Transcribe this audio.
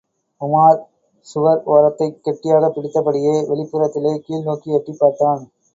உமார் சுவர் ஓரத்தைக் கெட்டியாகப் பிடித்தபடியே வெளிப்புறத்திலே கீழ்நோக்கி எட்டிப்பார்த்தான்.